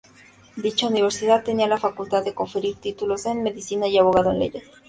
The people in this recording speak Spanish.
Dicha universidad tenía la facultad de conferir títulos en: Medicina y Abogado en Leyes.